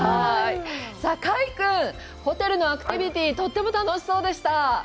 さあ、快君、ホテルのアクティビティ、とっても楽しそうでした。